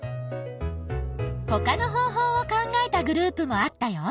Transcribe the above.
ほかの方法を考えたグループもあったよ。